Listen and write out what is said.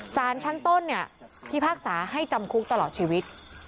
สารชั้นต้นเนี่ยพิพากษาให้จำคุกตลอดชีวิต